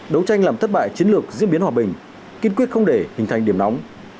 đấu tranh làm thất bại chiến lược diễn biến hòa bình kiên quyết không để hình thành điểm nóng